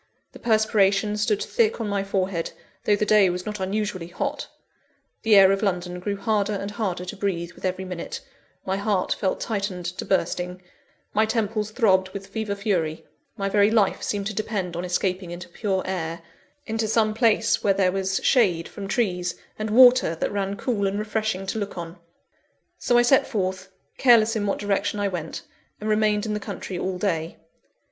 The perspiration stood thick on my forehead, though the day was not unusually hot; the air of London grew harder and harder to breathe, with every minute; my heart felt tightened to bursting; my temples throbbed with fever fury; my very life seemed to depend on escaping into pure air, into some place where there was shade from trees, and water that ran cool and refreshing to look on. So I set forth, careless in what direction I went; and remained in the country all day.